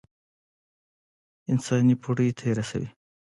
انساني پوړۍ ته يې رسوي.